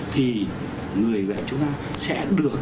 thì người bệnh chúng ta sẽ được